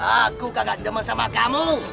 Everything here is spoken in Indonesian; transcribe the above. aku kagak demo sama kamu